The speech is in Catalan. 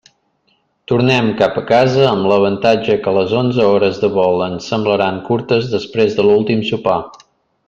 Tornem cap a casa amb l'avantatge que les onze hores de vol ens semblaran curtes després de l'últim sopar.